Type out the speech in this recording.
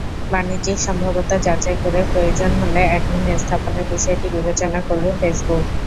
বাণিজ্যিক সম্ভাব্যতা যাচাই করে প্রয়োজন হলে অ্যাডমিন স্থাপনের বিষয়টি বিবেচনা করবে ফেসবুক।